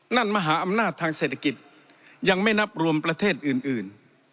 นั่นมหาอำหน้าทางเศรษฐกิจยังไม่นับรวมประเทศอื่นอื่น